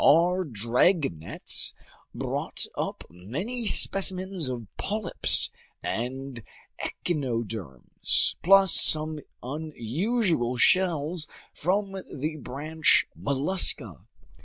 Our dragnets brought up many specimens of polyps and echinoderms plus some unusual shells from the branch Mollusca.